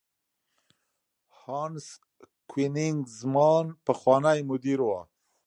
هانس کوېنیګزمان پخوانی مدیر و.